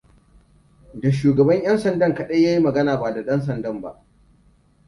Da shugaban ʻƴansandan kaɗai yayi magana ba da ɗansandan ba.